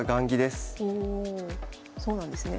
おそうなんですね。